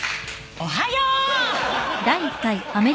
おはよう！